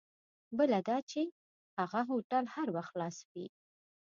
بله دا چې هغه هوټل هر وخت خلاص وي.